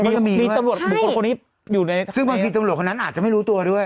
มันก็จะมีรู้หรือเปล่าใช่ซึ่งบางทีตำรวจคนนั้นอาจจะไม่รู้ตัวด้วย